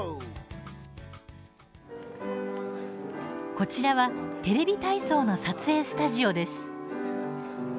こちらは「テレビ体操」の撮影スタジオです。